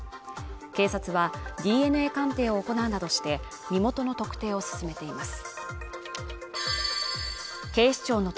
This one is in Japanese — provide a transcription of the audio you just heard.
警察はＤＮＡ鑑定を行うなどして身元の特定を進めています